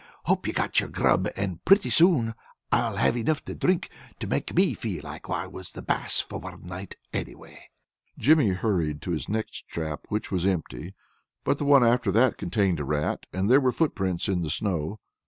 Hope you got your grub, and pretty soon I'll have enough drink to make me feel like I was the Bass for one night, anyway." Jimmy hurried to his next trap, which was empty, but the one after that contained a rat, and there were footprints in the snow.